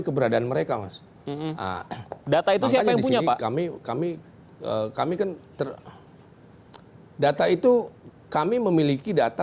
keberadaan mereka mas data itu siapa yang punya pak kami kami kami kan data itu kami memiliki data